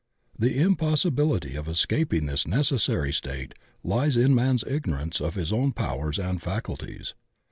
The impossibiUty of escaping this necessary state lies in man's ignorance of his own powers and faculties.